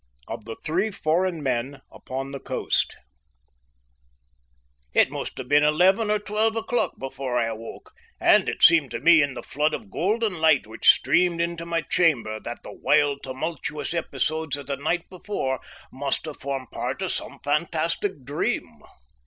OF THE THREE FOREIGN MEN UPON THE COAST It must have been eleven or twelve o'clock before I awoke, and it seemed to me in the flood of golden light which streamed into my chamber that the wild, tumultuous episodes of the night before must have formed part of some fantastic dream.